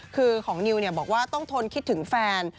คือของนิวบอกว่าต้องทนคิดถึงแฟน